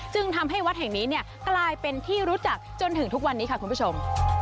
จึงทำให้วัดแห่งนี้กลายเป็นที่รู้จักจนถึงทุกวันนี้ค่ะคุณผู้ชม